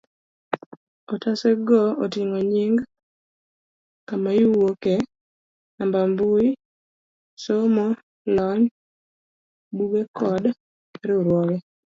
otase go oting'o nying, kama iwuokie, namba mbui, somo, lony, buge kod riwruoge